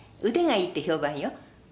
腕がいいって評判よ。